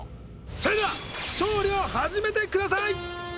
それでは調理を始めてください